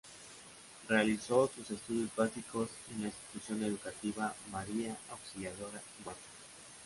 Realizó sus estudios básicos en la Institución Educativa María Auxiliadora en Huanta.